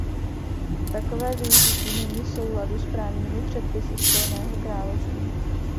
Takové využití není v souladu s právními předpisy Spojeného království.